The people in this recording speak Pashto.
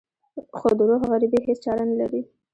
خو د روح غريبي هېڅ چاره نه لري.